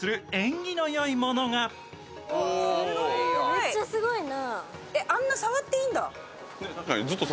めっちゃすごいな。